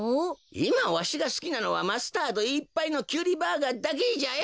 いまわしがすきなのはマスタードいっぱいのキュウリバーガーだけじゃよ！